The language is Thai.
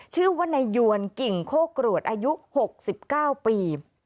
ชื่อว่านายยวนกิ่งโคกรวดอายุ๖๙ปี